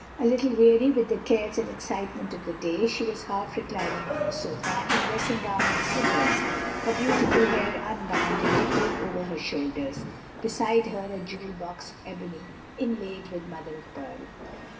A little weary with the cares and excitement of the day, she was half reclining on a sofa, in dressing gown and slippers, her beautiful hair unbound and rippling over her shoulders, beside her a jewel box of ebony inlaid with mother of pearl.